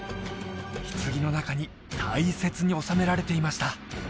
棺の中に大切に納められていました